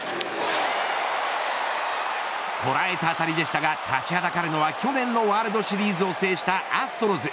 捉えた当たりでしたが立ちはだかるのは去年ワールドシリーズを制したアストロズ。